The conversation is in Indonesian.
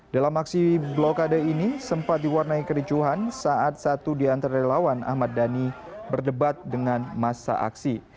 dalam aksi blokade ini sempat diwarnai kericuhan saat satu di antara relawan ahmad dhani berdebat dengan masa aksi